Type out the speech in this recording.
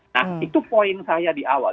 nah itu poin saya di awal